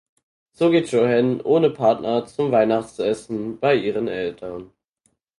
So geht Johanne ohne Partner zum Weihnachtsessen bei ihren Eltern.